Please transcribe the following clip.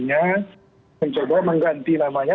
mencoba mengganti namanya